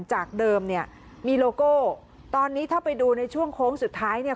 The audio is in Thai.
จากเดิมเนี่ยมีโลโก้ตอนนี้ถ้าไปดูในช่วงโค้งสุดท้ายเนี่ย